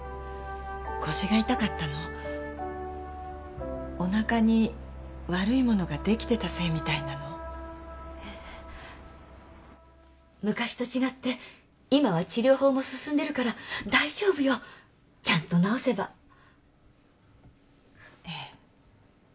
腰が痛かったのおなかに悪いものができてたせいみたいなのえっ昔と違って今は治療法も進んでるから大丈夫よちゃんと治せばええ